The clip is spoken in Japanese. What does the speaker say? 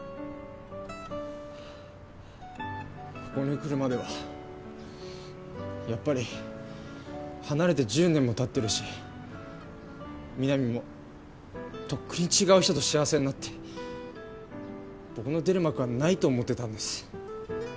ここに来るまではやっぱり離れて１０年も経ってるしみなみもとっくに違う人と幸せになって僕の出る幕はないと思ってたんです。